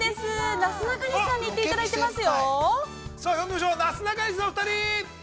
なすなかにしさんに行っていただいていますよ。